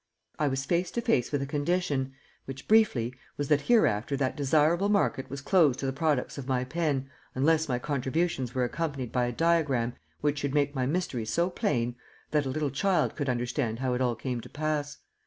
I was face to face with a condition which, briefly, was that hereafter that desirable market was closed to the products of my pen unless my contributions were accompanied by a diagram which should make my mysteries so plain that a little child could understand how it all came to pass.